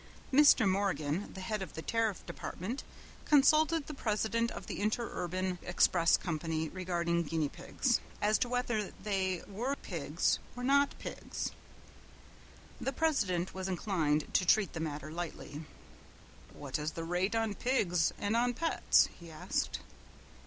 Mr. Morgan, the head of the Tariff Department, consulted the president of the Interurban Express Company regarding guinea pigs, as to whether they were pigs or not pigs. The president was inclined to treat the matter lightly. "What is the rate on pigs and on pets?" he asked.